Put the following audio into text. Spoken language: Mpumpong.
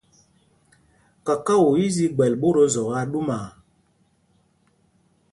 Kakao í í zi gbɛl ɓót o Zɔk aa ɗumaa.